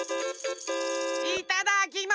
いただきま。